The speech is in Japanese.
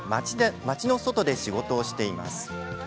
町の外で仕事をしています。